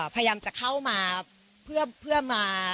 พยายามจะเข้ามาเพื่อมา